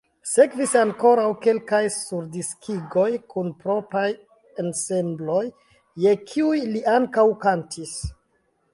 Sekvis ankoraŭ kelkaj surdiskigoj kun propraj ensembloj, je kiuj li ankaŭ kantis.